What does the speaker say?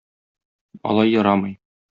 Алай ярамый.